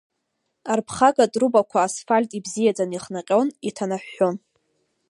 Арԥхага трубақәа асфальт ибзиаӡаны ихнаҟьон, иҭанаҳәҳәон.